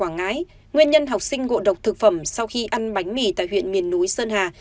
nguyên nhân học sinh ngộ độc thực phẩm sau khi ăn bánh mì tại huyện miền núi sơn hà